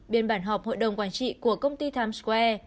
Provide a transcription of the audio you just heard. biên bản họp hội đồng quản trị của công ty times square